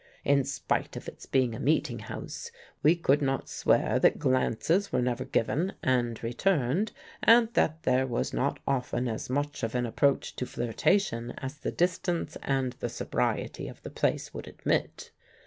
In spite of its being a meeting house, we could not swear that glances were never given and returned, and that there was not often as much of an approach to flirtation as the distance and the sobriety of the place would admit.